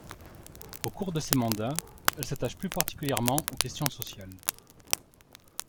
Au cours de ces mandats, elle s’attache plus particulièrement aux questions sociales.